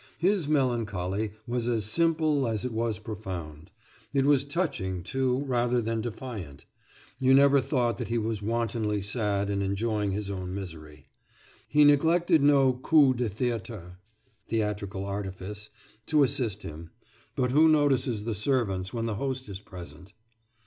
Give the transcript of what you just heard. His melancholy was as simple as it was profound. It was touching, too, rather than defiant. You never thought that he was wantonly sad and enjoying his own misery. He neglected no coup de theatre [theatrical artifice] to assist him, but who notices the servants when the host is present?